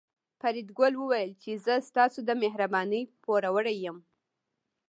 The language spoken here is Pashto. فریدګل وویل چې زه ستاسو د مهربانۍ پوروړی یم